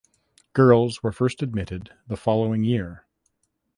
Girls were first admitted the following year.